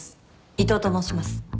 伊藤と申します。